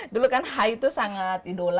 dulu kan hai itu sangat idola